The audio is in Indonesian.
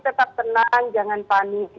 tetap tenang jangan panik